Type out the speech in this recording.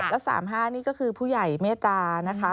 และ๓๕นี่ก็คือผู้ใหญ่เมตตานะคะ